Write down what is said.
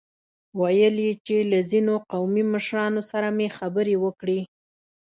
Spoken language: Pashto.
ويل يې چې له ځينو قومي مشرانو سره مې خبرې وکړې.